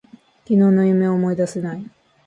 昨日の夢を思い出せない。